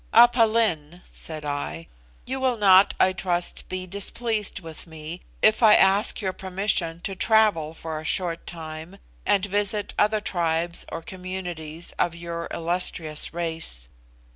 "Aph Lin," said I, "you will not, I trust, be displeased with me, if I ask your permission to travel for a short time, and visit other tribes or communities of your illustrious race.